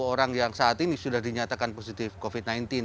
sepuluh orang yang saat ini sudah dinyatakan positif covid sembilan belas